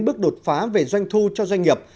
bước đột phá về doanh thu cho doanh nghiệp